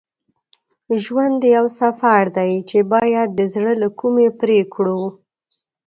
ژوند یو سفر دی چې باید د زړه له کومي پرې کړو.